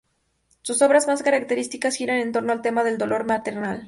Sus obras más características giran en torno al tema del dolor maternal.